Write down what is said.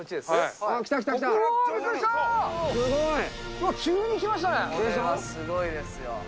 すごいですよ。